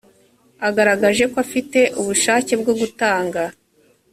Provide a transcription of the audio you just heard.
agaragaje ko afite ubushake bwo gutanga